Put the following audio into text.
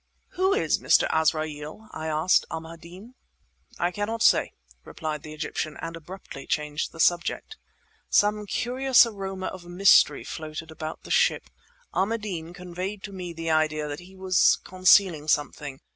"Who is Mr. Azraeel?" I asked Ahmadeen. "I cannot say," replied the Egyptian, and abruptly changed the subject. Some curious aroma of mystery floated about the ship. Ahmadeen conveyed to me the idea that he was concealing something.